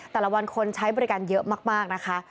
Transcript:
แต่ละวันคนใช้บริการเยอะมากนะคะ